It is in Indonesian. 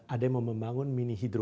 ada yang mau membangun mini hidro